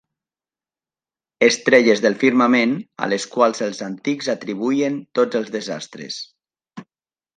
Estrelles del firmament a les quals els antics atribuïen tots els desastres.